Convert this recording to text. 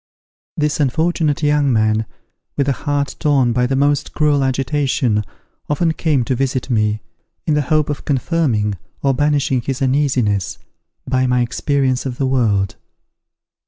This unfortunate young man, with a heart torn by the most cruel agitation, often came to visit me, in the hope of confirming or banishing his uneasiness, by my experience of the world.